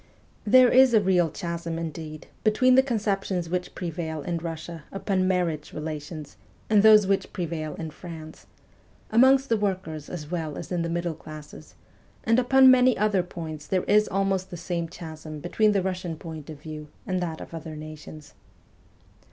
There is a real chasm indeed between the conceptions which prevail in Russia upon marriage relations and those which prevail WESTERN EUROPE 219 in France : amongst the workers as well as in the middle classes ; and upon many other points there is almost the same chasm between the Russian point of view and that of other nations.